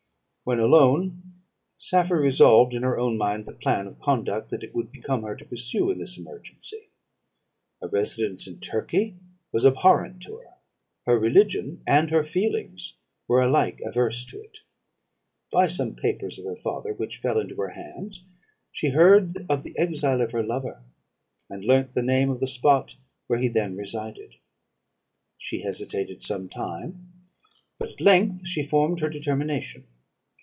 "When alone, Safie resolved in her own mind the plan of conduct that it would become her to pursue in this emergency. A residence in Turkey was abhorrent to her; her religion and her feelings were alike adverse to it. By some papers of her father, which fell into her hands, she heard of the exile of her lover, and learnt the name of the spot where he then resided. She hesitated some time, but at length she formed her determination.